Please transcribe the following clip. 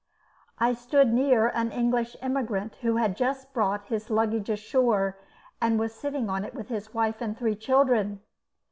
I stood near an English immigrant who had just brought his luggage ashore, and was sitting on it with his wife and three children.